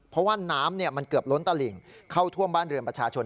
เพราะว่าน้ำมันเกือบล้นตลิ่งเข้าท่วมบ้านเรือนประชาชน